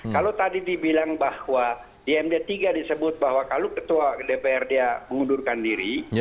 kalau tadi dibilang bahwa di md tiga disebut bahwa kalau ketua dpr dia mengundurkan diri